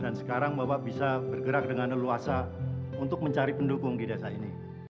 dan sekarang bapak bisa bergerak dengan leluasa untuk mencari pendukung di desa ini